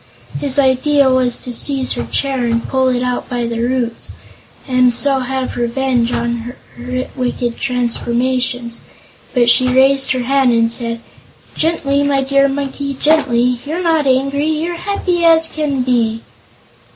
His idea was to seize her hair and pull it out by the roots, and so have revenge for her wicked transformations. But she raised her hand and said: "Gently, my dear Monkey gently! You're not angry; you're happy as can be!"